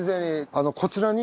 こちらに。